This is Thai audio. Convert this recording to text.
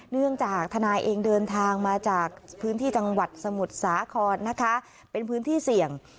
เนื่องจากทนายเองเดินทางมาจากพื้นที่จังหวัดสมุทรสาครนะคะเป็นพื้นที่เสี่ยง